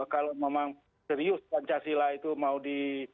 kalau memang serius pancasila itu mau di